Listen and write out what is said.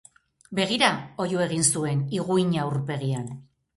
Begira! Oihu egin zuen, higuina aurpegian.